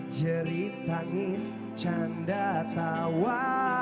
jerit tangis canda tawa